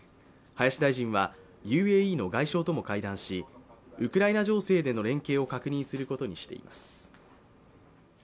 林大臣は、ＵＡＥの外相とも会談しウクライナ情勢での連携を確認することにしています。